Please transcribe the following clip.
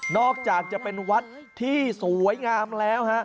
อกจากจะเป็นวัดที่สวยงามแล้วฮะ